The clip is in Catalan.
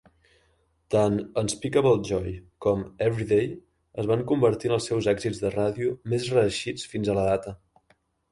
Tant "Unspeakable Joy" com "Everyday" es van convertir en els seus èxits de ràdio més reeixits fins a la data.